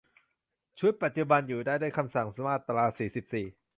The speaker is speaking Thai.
ชุดปัจจุบัน อยู่ได้ด้วยคำสั่งมาตรา สี่สิบสี่